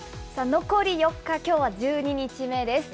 残り４日、きょうは１２日目です。